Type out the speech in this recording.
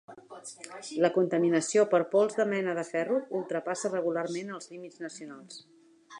La contaminació per pols de mena de ferro ultrapassa regularment els límits nacionals.